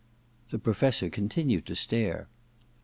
The Professor continued to stare.